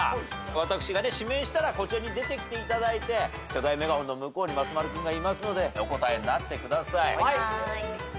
私が指名したらこちらに出てきていただいて巨大メガホンの向こうに松丸君がいますのでお答えになってください。